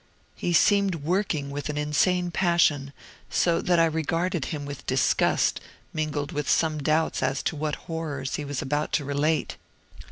He seemed working with an insane passion, so that I regarded him with disgust, mingled with some doubts as to what horrors he was about to relate.